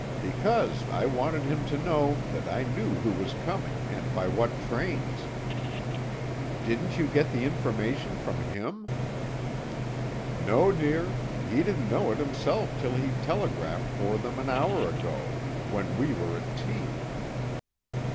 "Because I wanted him to know that I knew who was coming and by what trains." "Didn't you get the information from him?" "No, dear. He didn't know it himself till he telegraphed for them an hour ago, when we were at tea."